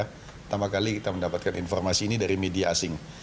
pertama kali kita mendapatkan informasi ini dari media asing